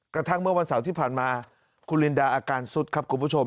กระทั่งเมื่อวันเสาร์ที่ผ่านมาคุณลินดาอาการสุดครับคุณผู้ชม